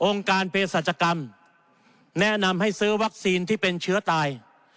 การเพศรัชกรรมแนะนำให้ซื้อวัคซีนที่เป็นเชื้อตาย